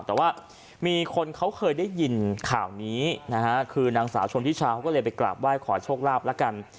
แต่ว่ามีคนเขาเคยได้ยินข่าวนี้นะฮะคือนางสาวชนทิชาเขาก็เลยไปกราบไหว้ขอโชคลาภแล้วกัน